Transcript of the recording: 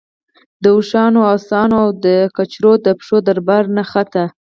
د اوښانو، آسونو او د کچرو د پښو دربا نه خته.